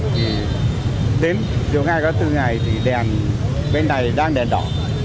thì đến tiểu hai có bốn ngày thì đèn bên này đang đèn đỏ